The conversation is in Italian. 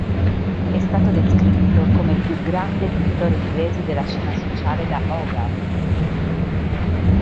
È stato descritto come "il più grande pittore inglese della scena sociale da Hogarth".